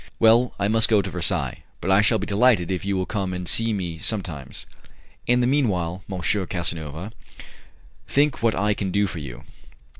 "Well, I must go to Versailles, but I shall be delighted if you will come and see me sometimes. In the meanwhile, M. Casanova, think what I can do for you."